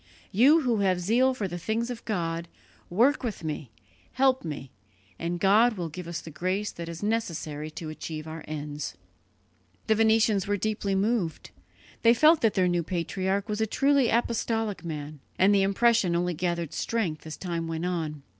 You who have zeal for the things of God, work with me, help me, and God will give us the grace that is necessary to achieve our ends." The Venetians were deeply moved; they felt that their new patriarch was a truly apostolic man, and the impression only gathered strength as time went on.